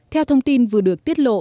theo thông tin vừa được tiết lộ